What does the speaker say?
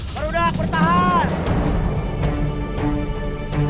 baru dah kursahan